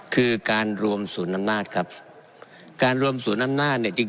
คือการรวมศูนย์น้ำนาฬครับการรวมศูนย์น้ำนาฬเนี่ย